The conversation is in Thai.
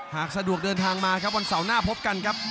หากสะดวกเดินทางมาครับวันเสาร์หน้าพบกันครับ